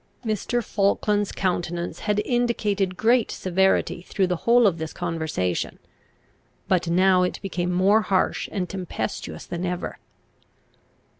Mr. Falkland's countenance had indicated great severity through the whole of this conversation; but now it became more harsh and tempestuous than ever.